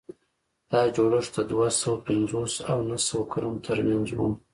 دا جوړښت د دوه سوه پنځوس او نهه سوه کلونو ترمنځ و.